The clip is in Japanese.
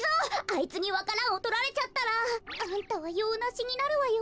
あいつにわか蘭をとられちゃったらあんたはようなしになるわよ。